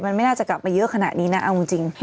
มันไม่น่าจะกลับมาเยอะขนาดนี้นะเอาจริง